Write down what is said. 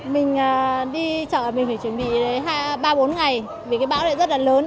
mình đi chợ mình phải chuẩn bị ba bốn ngày vì cái bão này rất là lớn